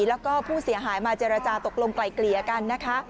แล้วก็ผู้เสียหายมาเจรจาตกลงไกลเกลี่ยกันนะคะ